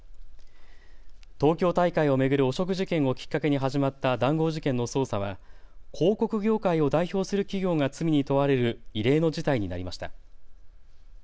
東京大会を巡る汚職事件をきっかけに始まった談合事件の捜査は広告業界を代表する企業が罪に問われる異例の事態になりました。